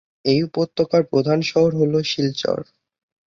এই উপত্যকার প্রধান শহর হল শিলচর।